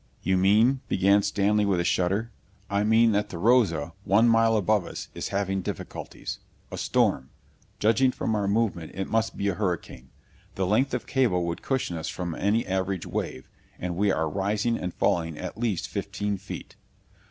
"You mean ..." began Stanley with a shudder. "I mean that the Rosa, one mile above us, is having difficulties. A storm. Judging from our movement it must be a hurricane: the length of cable would cushion us from any average wave, and we are rising and falling at least fifteen feet."